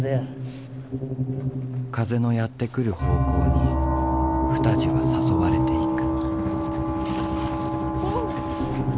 風のやって来る方向にプタジは誘われていく。